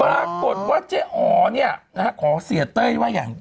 ปรากฏว่าเจ๊อ๋อเนี่ยนะฮะขอเสียเต้ยว่าอย่าง